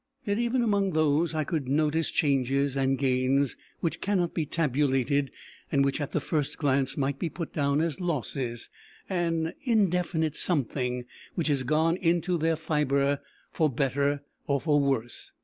Yet even among those I could notice changes and gains which cannot be tabulated and which at the first glance might be put down as losses; an indefinite something which has gone into their fibre for better or for worse.